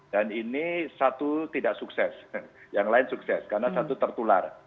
dan ini satu tidak sukses yang lain sukses karena satu tertular